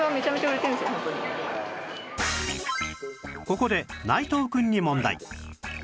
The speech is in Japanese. ここで内藤くんに問題